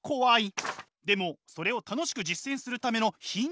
でもそれを楽しく実践するためのヒントがあるんです。